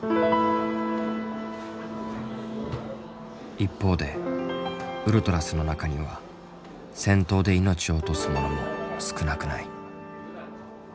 一方でウルトラスの中には戦闘で命を落とす者も少なくない。